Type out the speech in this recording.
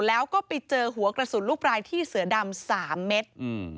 แล้วก็ไปเจอหัวกระสุนลูกปลายที่เสือดำ๓เมตร